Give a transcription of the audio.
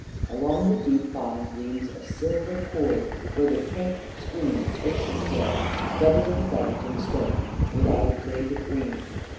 Along the deep bottom gleams a silver chord, where the cramped stream chafes its way, bedded and banked in stone, without a blade of green.